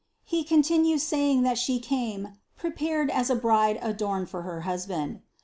252. He continues saying that She came "prepared as a bride adorned for her husband."